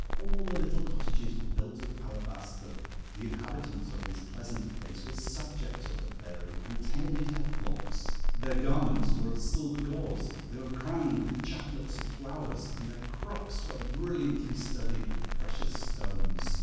All the little cottages were built of alabaster. The inhabitants of this pleasant place were subjects of the Fairy, and tended her flocks; their garments were of silver gauze; they were crowned with chaplets of flowers; and their crooks were brilliantly studded with precious stones.